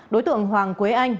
đối tượng hoàng quế anh